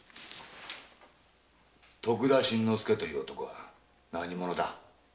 徳田新之助という男は何者だ？